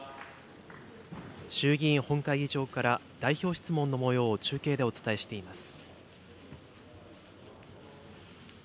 衆議院本会議場から代表質問のもようを中継でお伝えしています。